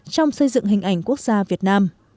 trong xây dựng hình ảnh quốc gia việt nam